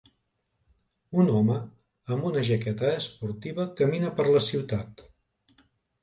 Un home amb una jaqueta esportiva camina per la ciutat.